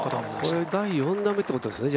これ第４打目ということですね。